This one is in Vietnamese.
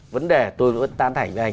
vấn đề tôi muốn tan thành với anh